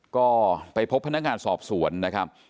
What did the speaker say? ก็ไปพบพนักงานสอบสวนนะครับ